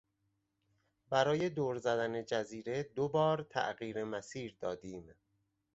برای دور زدن جزیره دو بار تغییر مسیر دادیم.